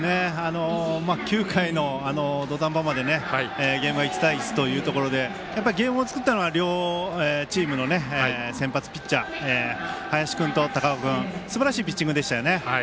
９回の土壇場までゲームは１対１ということでゲームを作ったのは両チームの先発ピッチャー林君と高尾君すばらしいピッチングでしたね。